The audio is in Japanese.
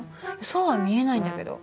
そうは見えないんだけど。